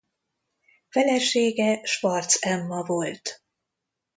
Felesége Schwartz Emma volt.